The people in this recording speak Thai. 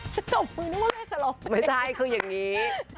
จะตบมือไม่ใช่คืออย่างนี้